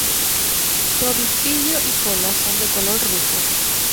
Su obispillo y cola son de color rufo.